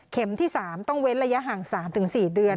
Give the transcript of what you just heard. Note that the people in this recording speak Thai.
เข็มที่๓ต้องเว้นระยะห่าง๓ถึง๔เดือน